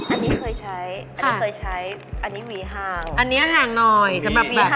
อันนี้เคยใช้อันนี้หวีห่างอันนี้ห่างหน่อยสำหรับแบบหวีห่าง